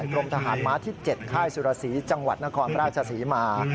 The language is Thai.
กรมทหารม้าที่๗ค่ายสุรสีจังหวัดนครราชศรีมา